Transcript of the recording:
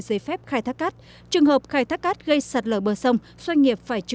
giấy phép khai thác cát trường hợp khai thác cát gây sạt lở bờ sông doanh nghiệp phải chờ